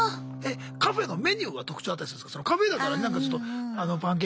カフェのメニューは特徴あったりするんすか？